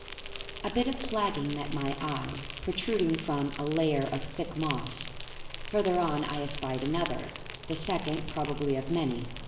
A bit of flagging met my eye, protruding from a layer of thick moss. Farther on I espied another the second, probably, of many.